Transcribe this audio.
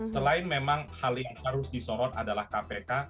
selain memang hal yang harus disorot adalah kpk